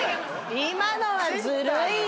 今のはずるいよ！